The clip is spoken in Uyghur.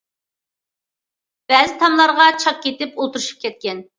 بەزى تاملارغا چاك كېتىپ، ئولتۇرۇشۇپ كەتكەن.